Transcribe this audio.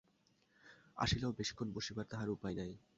আসিলেও, বেশিক্ষণ বসিবার তাহার উপায় নাই।